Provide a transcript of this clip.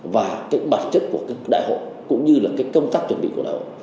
và cái bản chất của cái đại hội cũng như là cái công tác chuẩn bị của đại hội